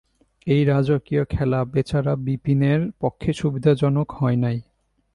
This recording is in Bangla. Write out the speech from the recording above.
এই রাজকীয় খেলা বেচারা বিপিনের পক্ষে সুবিধাজনক হয় নাই।